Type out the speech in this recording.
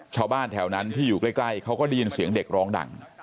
ชาวบ้านแถวนั้นที่อยู่ใกล้เขาก็ได้ยินเสียงเด็กร้องดัง